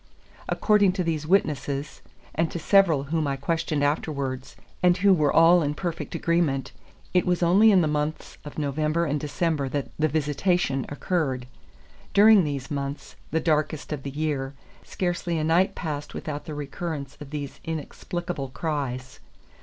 According to these witnesses, and to several whom I questioned afterwards, and who were all in perfect agreement, it was only in the months of November and December that "the visitation" occurred. During these months, the darkest of the year, scarcely a night passed without the recurrence of these inexplicable cries.